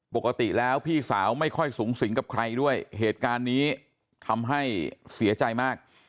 ปกติแล้วพี่สาวไม่ค่อยสูงสิงกับใครด้วยเหตุการณ์นี้ทำให้เสียใจมาก